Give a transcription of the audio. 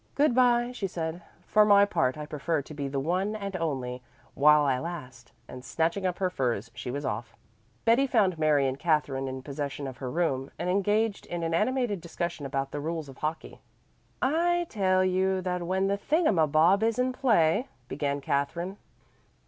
"Good bye," she said. "For my part, I prefer to be the one and only while I last," and snatching up her furs she was off. Betty found Mary and Katherine in possession of her room and engaged in an animated discussion about the rules of hockey. "I tell you that when the thing um bob is in play," began Katherine.